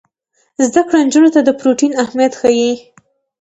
زده کړه نجونو ته د پروټین اهمیت ښيي.